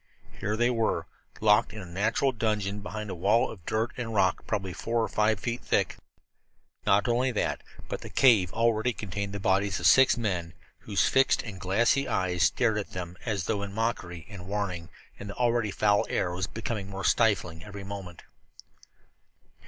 Here they were, locked in a natural dungeon behind a wall of dirt and rock probably four or five feet thick. Not only that, but the cave already contained the bodies of six men whose fixed and glassy eyes stared at them as though in mockery and warning, and the already foul air was becoming more stifling every moment.